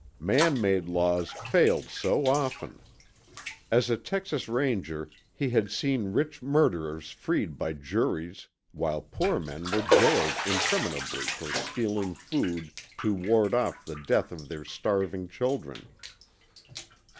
Man made laws failed so often. As a Texas Ranger he had seen rich murderers freed by juries while poor men were jailed interminably for stealing food to ward off the death of their starving children.